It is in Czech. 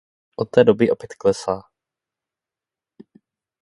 Od té doby opět klesá.